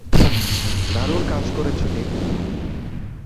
দারুন কাজ করেছো, টিম।